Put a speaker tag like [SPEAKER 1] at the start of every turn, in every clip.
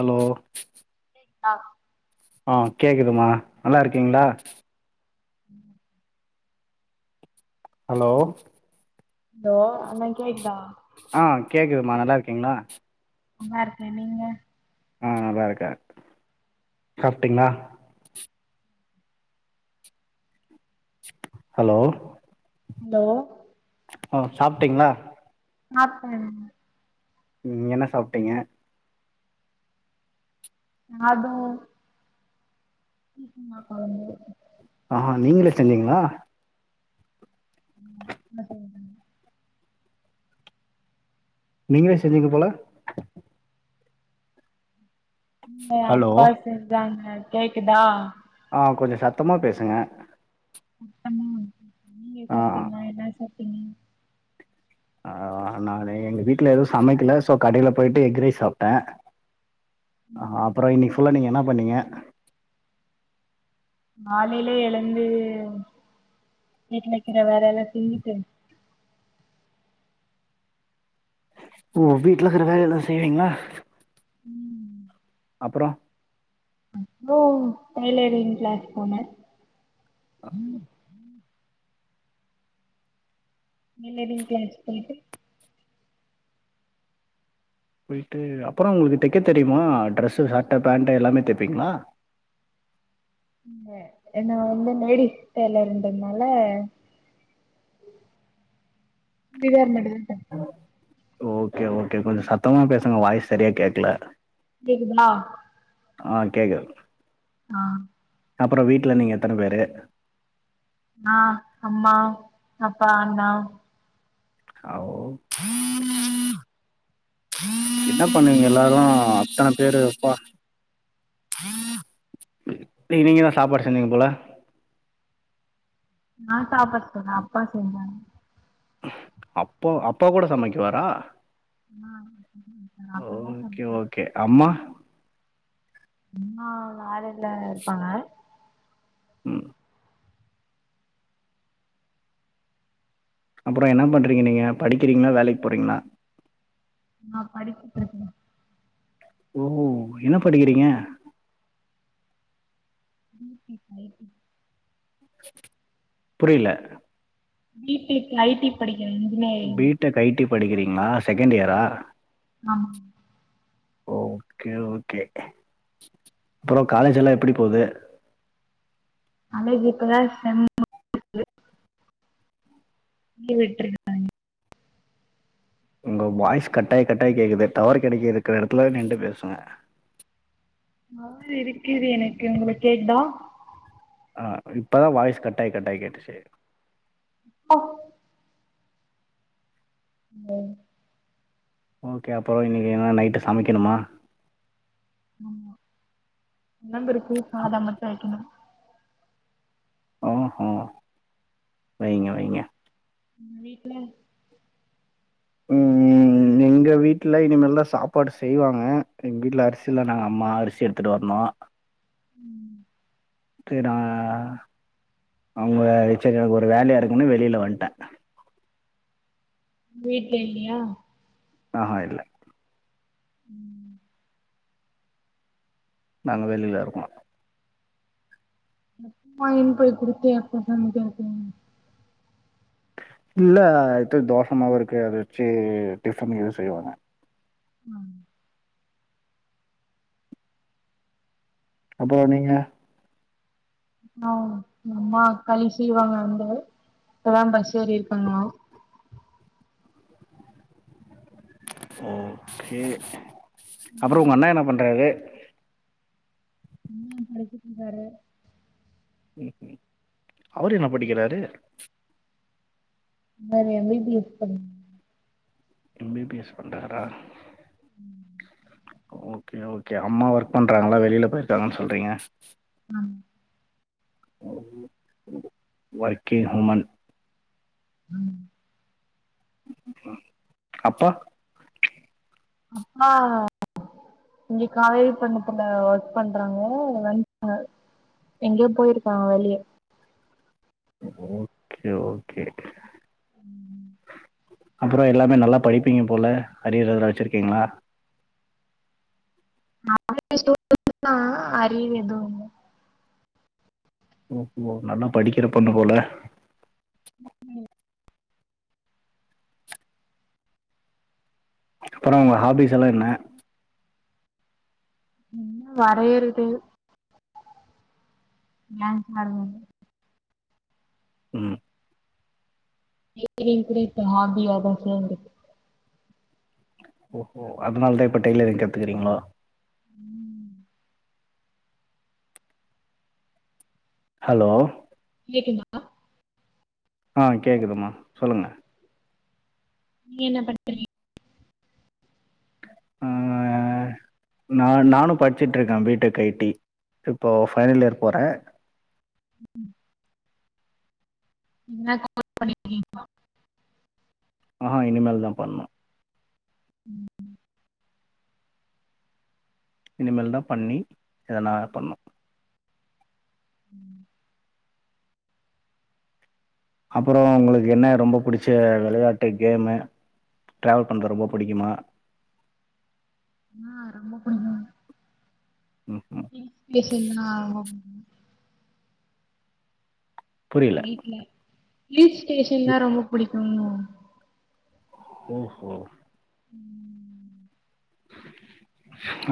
[SPEAKER 1] Allow
[SPEAKER 2] ஆ
[SPEAKER 1] ஆ கேக்குதுமா நல்லா இருக்கீங்களா
[SPEAKER 2] ம்
[SPEAKER 1] அலோ
[SPEAKER 2] அலோ அண்ணா கேக்குதா
[SPEAKER 1] ஆ கேக்குதுமா நல்லா இருக்கீங்களா
[SPEAKER 2] நல்லா இருக்க நீங்க
[SPEAKER 1] நா நல்லா இருக்க சாப்டிங்களா ஹலோ
[SPEAKER 2] அலோ
[SPEAKER 1] ஓ சாப்டீங்களா
[SPEAKER 2] அப்ப என்ன
[SPEAKER 1] ம் என்ன சாப்டீங்க
[SPEAKER 2] அது [unintelligible]
[SPEAKER 1] ஆ நீங்களே செஞ்சீங்களா
[SPEAKER 2] ம் நாந்தா செஞ்ச
[SPEAKER 1] நீங்களே செஞ்சீங்க போல
[SPEAKER 2] இல்ல
[SPEAKER 1] ஹலோ
[SPEAKER 2] அப்பா செஞ்சாங்க கேக்குதா
[SPEAKER 1] ஆ கொஞ்சோ சத்தமா பேசுங்க
[SPEAKER 2] [unintelligible] நீங்க
[SPEAKER 1] ஆ
[SPEAKER 2] சாப்டீங்களா என்ன சாப் டீங்க
[SPEAKER 1] ஆ நானு எங்க வீட்ல எது சமைக்கல சோ கடைல போயிட்டு எக் ரைஸ் சாப்ட அ
[SPEAKER 2] ம்
[SPEAKER 1] அப்புறோ இன்னிக்கு ஃபுல்லா நீங்க என்னப் பண்ணீங்க
[SPEAKER 2] நாலையிலே எழுந்து வீட்டுல இருக்கிற வேல எல்லா செஞ்சிட்டு
[SPEAKER 1] ஓ வீட்டுல இருக்கற வேல எல்லா செய்வீங்களா
[SPEAKER 2] ம்
[SPEAKER 1] அப்புறோ
[SPEAKER 2] ப்புறோ டைலரிங்க கிளாஸ் போனே
[SPEAKER 1] ஆ
[SPEAKER 2] தைலரிங் கிளாஸ் போய்ட்டு
[SPEAKER 1] போய்ட்டு அப்புறோ உங்களுக்கு தைக்க தெரியுமா ட்ரெஸ்ஸு சட்ட பேண்ட் எல்லாமே தப்பீங்களா
[SPEAKER 2] என்ன வந்து லேடீஸ் தைலரிங்னால
[SPEAKER 1] ஓகே ஓகே கொஞ்சோ சத்தமா பேசுங்க வாய்ஸ் சரியா கேக்கல
[SPEAKER 2] கேக்குதா
[SPEAKER 1] ஆ கேக்கு
[SPEAKER 2] ஆ
[SPEAKER 1] அப்புறோ வீட்டுல நீங்க எத்தன பேரு
[SPEAKER 2] நா அம்மா அப்பா அண்ணா
[SPEAKER 1] என்ன பண்ணுவிங்க எல்லாரு அத்தன பேருப்பா நீ நீங்கதா சாப்பாடு செஞ்சிங்க போல
[SPEAKER 2] நா சாப்பிட சொன்ன அப்பா செஞ்சாங்க
[SPEAKER 1] அப்போ அப்பா கூட சமைக்குவாரா ஓகே ஓகே அம்மா
[SPEAKER 2] [unintelligible] அம்மா வேலைல இருப்பாங்க
[SPEAKER 1] ம் அப்புறோ என்ன பண்றீங்க நீங்க படிக்கிறீங்களா வேலைக்கு போறீங்களா
[SPEAKER 2] நா படிச்சிட்டு இருக்கே
[SPEAKER 1] ஓ என்ன படிக்கிறீங்க
[SPEAKER 2] [unintelligible]
[SPEAKER 1] புரியல
[SPEAKER 2] பிபிப் ஐடி படிக் [unintelligible]
[SPEAKER 1] பிடெக் ஐடி படிக்கிறீங்களா செகண்ட் இயரா
[SPEAKER 2] ஆமா
[SPEAKER 1] ஓகே ஓகே அப்புறோ காலேஜ் எல்லா எப்பிடி போகுது
[SPEAKER 2] காலேஜ் இப்பதா செம் முடிஞ்சது லீவ் விட்டுகங்கா
[SPEAKER 1] உங்க வாய்ஸ் கட்டாய் கட் ட்டாய் கேக்குது டவர் கெடைக்க இருக்கிற இடத்துல நின்டு பேசுவங்க
[SPEAKER 2] மா இருக்குது எனக்கு உங்களுக் கேக்குதா
[SPEAKER 1] ஆ இப்பதா வாய்ஸ் கட்டாய் கட்டாய் கேட்டுச்சி
[SPEAKER 2] அ ம்
[SPEAKER 1] ஓகே அப்பு இன்னிக்கு என்ன நைட்டு சமைக்கணுமா
[SPEAKER 2] கொழம்பு இருக்கு சாதம் மட்டு வைக்கணு
[SPEAKER 1] ஓ ஹோ வைங்க வைங்க
[SPEAKER 2] வீட்ல
[SPEAKER 1] ம் ம் எங்க வீட்ல இனிமேல்தா சாப்பாடு செய்வாங்க எங்க வீட்ல அரிசி இல்ல நாங்க அம்மா அரிசி எடுத்துட்டு வரணு சரி நா அவங்க சேரி எனக்கு ஒரு வேலையா இருக்குன்னு வெளில வன்ட்டே
[SPEAKER 2] வீட்ல இல்லயா
[SPEAKER 1] ஆஹா இல்ல
[SPEAKER 2] ம்
[SPEAKER 1] நாங்க வெளில இருக்கோ
[SPEAKER 2] [unintelligible] இனிப்பு குடுத்து [unintelligible]
[SPEAKER 1] இல்ல இது தோசமாவு இருக்கு அத வச்சு டிஃபன் எது செய்வாங்க அப்புறோ நீங்க
[SPEAKER 2] நா எங்க அம்மா களி செய்வாங்க வந்து இப்பதா பஸ் ஏறிருக்காங்களா
[SPEAKER 1] ஓகே அப்புறோ உங்க அண்ண என்ன பண்றாரு
[SPEAKER 2] படிச்சுட்ருந்தாரு
[SPEAKER 1] ம் ம் அவரு என்ன படிக்கிறாரு
[SPEAKER 2] இந்த மாரி எம் பி பி எஸ் படிக்கிறாரு
[SPEAKER 1] எம் பி பி எஸ் பண்றாரா ஓகே ஓகே அம்மா ஒர்க் பண்றாங்களா வெளில போயிருக்காங்கன்னு சொல்றீங்க ஓ ஒ ஒர்க்கிங் ஹுமன் அப்பா
[SPEAKER 2] அப்பா இங்க காவேரி பட்னத்துல ஒர்க் பண்றாங்க [inaudible] எங்கயோ போயிருக்காங்க வெளிய
[SPEAKER 1] ஓகே ஓகே அப்புறோ எல்லாமே நல்லா படிப்பீங்க போல அரியர் எதனா வச்சிருக்கீங்களா
[SPEAKER 2] நா [inaudible] அரியர் எதுவு இல்ல
[SPEAKER 1] ஓ ஹோ நல்லா படிக்கிற பொண்ணு போல அப்புறோ உங்க ஹாபிஸ் எல்லா என்ன
[SPEAKER 2] என்ன வரையறது [unintelligible]
[SPEAKER 1] ம்
[SPEAKER 2] டெய்லரிங் கூட இப்ப ஹாபியாதா சேந்திருக்கே
[SPEAKER 1] ஓஹோ அதனாலதா இப்ப டெய்லரிங் கத்துக்கிறீங்களா ஹலோ
[SPEAKER 2] கேக்குதுங்ளா
[SPEAKER 1] ஆ கேக்குதுமா சொல்லுங்க
[SPEAKER 2] நீ என்ன பண்றீ
[SPEAKER 1] ஆ நா நானு படிச்சுட்ருக்கே பி டெக் ஐ டி இப்போ ஃபைனல் இயர் போறே
[SPEAKER 2] ம் ம் நீங்க [inaudible] பண்ணிருக்கீங்ளா
[SPEAKER 1] ஆஹா இனிமேல்தா பண்ணணு
[SPEAKER 2] ம் ம்
[SPEAKER 1] இனிமேல்தா பண்ணி எதனா பண்ணணு
[SPEAKER 2] ம்
[SPEAKER 1] அப்புறோ உங்களுக்கு என்ன ரொம்ப புடிச்ச விளையாட்டு கேமு டிராவல் பண்றது ரொம்ப புடிக்குமா
[SPEAKER 2] ஆ ரொம்ப புடிக்கு
[SPEAKER 1] ம்ஹும்.
[SPEAKER 2] ஹில் பிளேஸுன்னா ரொம்
[SPEAKER 1] புரியல
[SPEAKER 2] வீட்ல ஹில் ஸ்டேஷன்லா ரொம்ப புடிக்குங்ளா உங்
[SPEAKER 1] ஓஹோ
[SPEAKER 2] ம்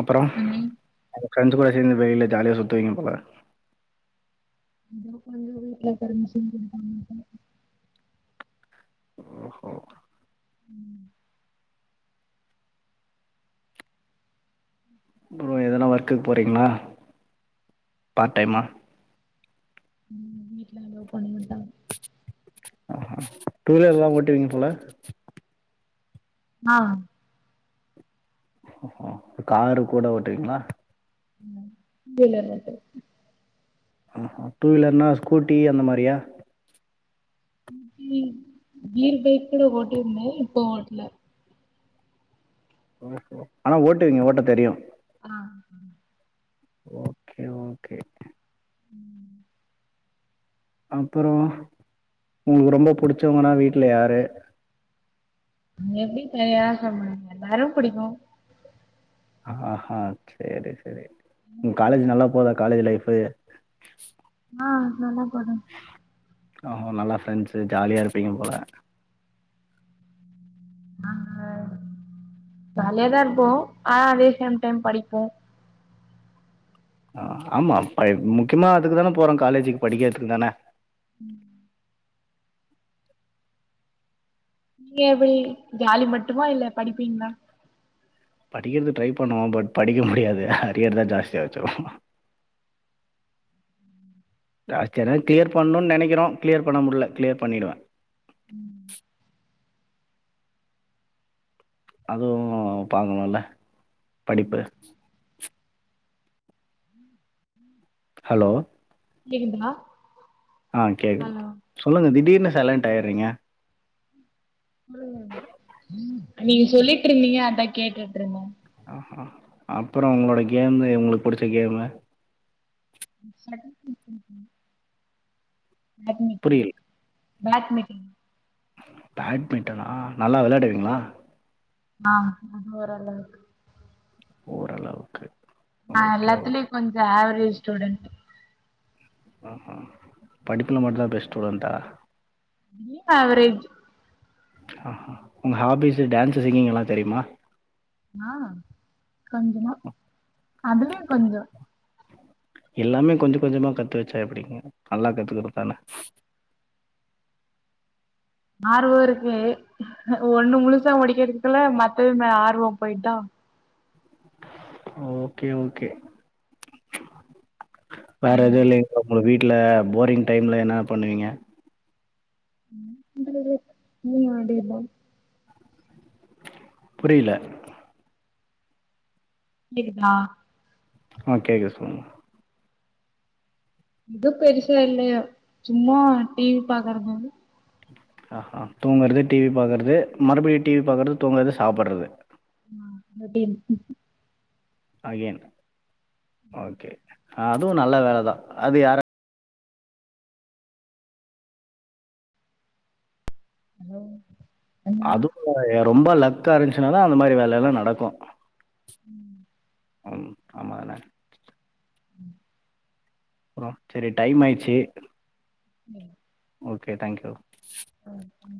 [SPEAKER 1] அப்பறோ
[SPEAKER 2] ஆனா
[SPEAKER 1] [unintelligible] வெயிலு ஜாலியா சுத்து வீங்க போல
[SPEAKER 2] [inaudible] வீட்ல பர்மிசன் குடுப்பாங்க போல
[SPEAKER 1] ஓஹோ அப்புறோ எதனா ஒர்க்குக்கு போறீங்களா பார் டைமா
[SPEAKER 2] ஆமா வீட்ல லவ் அளோ பண்ண மாட்டாங்க
[SPEAKER 1] ஆஹகடூ வீலர் எல்லா ஓட்டுவீங்க போல
[SPEAKER 2] ஆ
[SPEAKER 1] காரு கூட ஓட்டுவிங்களா
[SPEAKER 2] ஆமா இல்ல இல்ல [inaudible]
[SPEAKER 1] ஆஹா டூவீலர்னா ஸ்கூட்டி அந்த மாரியா
[SPEAKER 2] ம் கீ கீர்பைக்கூட ஓட்டிருந்த இப்போ ஓட்ல
[SPEAKER 1] ஓஹோ ஆனா ஓட்டுவீங்க ஓட்ட தெரியு
[SPEAKER 2] ஆமாங்க
[SPEAKER 1] ஓகே ஓகே அப்புறோ உங்களுக்கு ரொம்ப புடுச்சவங்கன்னா வீட்ல யாரு
[SPEAKER 2] எப்டி தனியா சொல்ல முடியு எல்லாரு புடிக்கு
[SPEAKER 1] ஆஹா சேரி சேரி உங் காலேஜ் நல்லா போதா காலேஜ் லைப் போய
[SPEAKER 2] ஆ நல்லாப் போதுங்
[SPEAKER 1] ஓஹோ நல்லா ஃப்ரெண்ட்ஸு ஜாலியா இருப்பீங்க போல
[SPEAKER 2] ஆமா ஜாலியாதா இருப்போ ஆனா அதே சேம் டைம் படிப்போ
[SPEAKER 1] ஆ ஆம்மா பிரைம் முக்கியமா அதுக்கு தான போறோ காலேஜுக்கு படிக்குறதுக்கு தான
[SPEAKER 2] ம் நீங்க எப்டி ஜாலி மட்டுமா இல்ல படிப்பீங்களா
[SPEAKER 1] படிக்கிறது ட்ரை பண்ணுவோ பட் படிக்க முடியாது அறியற்தா ஜாஸ்தியா வெச்சுருவோ ஆ கரர் கிளியர் பண்ணுன் நெனைக்கிறோ கிளியர் பண்ண முடில கிளியர் பண்ணிடுவ அதுவு பாக்கணுல்ல படிப்பு
[SPEAKER 2] ம்
[SPEAKER 1] ஹலோ
[SPEAKER 2] கேக்குதுண்ணா
[SPEAKER 1] ஆ கேக்குது சொல்லுங்க திடீர்னு சைலன்ட் ஆயிறீங்க
[SPEAKER 2] உம் உம் நீங்க சொல்லிட்டு இருந்தீங்க அதா கேட்டுட்டு இருந்தே
[SPEAKER 1] ஹ அப்றோ உங்களோட கேமு உங்களுக்கு புடிச்ச கேமு
[SPEAKER 2] ச [unintelligible] அட்னி
[SPEAKER 1] புரியல
[SPEAKER 2] பேட்மிட்டன்
[SPEAKER 1] பேட்மிட்டனா நல்லா வெளயாடுவீங்ளா
[SPEAKER 2] ஆ ஓரளவுக்கு
[SPEAKER 1] ஓரளவுக்கு
[SPEAKER 2] நா
[SPEAKER 1] ஓகே ஓகே
[SPEAKER 2] எல்லாத்துலேயு கொஞ்சோ ஆ ஆவ்ரேஜ் ஸ்டூடெண்ட்
[SPEAKER 1] ஆ படிப்புல மட்டுந் தா பெஸ்ட் ஸ்டூடெண்ட்டா
[SPEAKER 2] எல்லா ஆவ்ரேஜ்
[SPEAKER 1] ஆ உங்க ஹாபிஸ் டான்ஸ் சிங்கிங் எல்லா தெரியுமா
[SPEAKER 2] ஆ கொஞ்சமா அதுலயு கொஞ்சோ
[SPEAKER 1] எல்லாமே கொஞ்சோ கொஞ்சமா கத்து வச்சா எப்டிங்க நல்லா கத்துக்கறது தான
[SPEAKER 2] ஆர்வோ இருக்கு ஒன்னு முழுசா முடிக்குறதுக்குல மத்ததுல ஆர்வோ போயிடுதா
[SPEAKER 1] ஓகே ஓகே வேற எதுவு இல்லைங்ளா தோழி வீட்ல போரிங் டைம்ல என்னா பண்ணுவீங்க
[SPEAKER 2] என்ன பண்றது புள்ளைங்க மடியில
[SPEAKER 1] புரியல
[SPEAKER 2] புரியுதுங்ளா
[SPEAKER 1] ஓ கேக்குது சொல்லுங்க
[SPEAKER 2] எதுவு பெருசா இல்லயா சும்மா டிவி பாக்குற போது
[SPEAKER 1] ஆ ஆ தூங்குறது டிவி பாக்குறது மறுபடியு டிவி பாக்குறது தூங்குறது சாப்டுறது
[SPEAKER 2] ஆ ரொட்டின்
[SPEAKER 1] அகேன் ஓகே அதுவு நல்ல வேலதா அது யாராலு
[SPEAKER 2] உம்
[SPEAKER 1] அதுவா ஏறல ரொம்ப லக்கா இருந்துச்சுனாதா அந்த மாரி வேலஎல்லா நடக்கு
[SPEAKER 2] உம்
[SPEAKER 1] ம் ஆமா தானே
[SPEAKER 2] உம்
[SPEAKER 1] சரி டைம் ஆயிடுச்சு
[SPEAKER 2] உம்
[SPEAKER 1] ஓகே தேங்க் யூ
[SPEAKER 2] ம் ம்